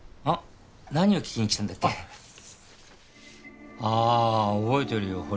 あっ覚えてるよ